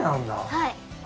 はい。